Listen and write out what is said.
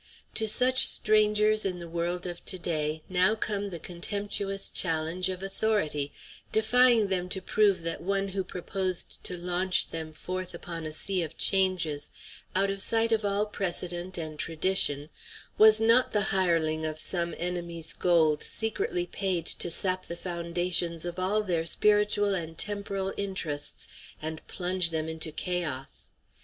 To such strangers in the world of to day now came the contemptuous challenge of authority, defying them to prove that one who proposed to launch them forth upon a sea of changes out of sight of all precedent and tradition was not the hireling of some enemy's gold secretly paid to sap the foundations of all their spiritual and temporal interests and plunge them into chaos.